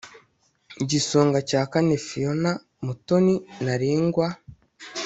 Igisonga cya Kane Fiona Mutoni Naringwa